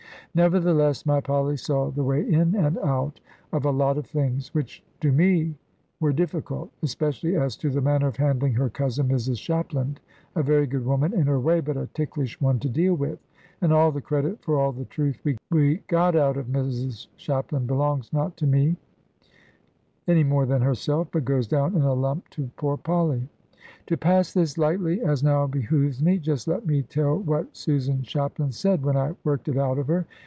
Nevertheless my Polly saw the way in and out of a lot of things, which to me were difficult. Especially as to the manner of handling her cousin, Mrs Shapland, a very good woman in her way, but a ticklish one to deal with. And all the credit for all the truth we get out of Mrs Shapland belongs not to me (any more than herself), but goes down in a lump to poor Polly. To pass this lightly as now behoves me just let me tell what Susan Shapland said, when I worked it out of her.